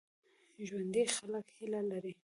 ژوندي خلک هیله لري